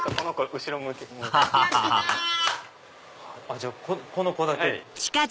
じゃあこの子だけ。